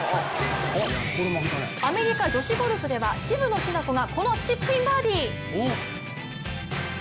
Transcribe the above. アメリカ女子ゴルフでは渋野日向子がこのチップインバーディー。